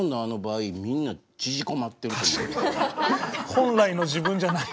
本来の自分じゃない。